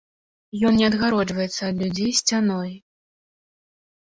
Ён не адгароджваецца ад людзей сцяной.